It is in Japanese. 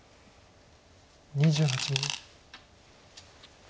２８秒。